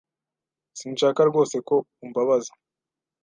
Sinshaka rwose ko umbabaza.